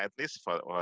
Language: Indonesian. dan juga sebagai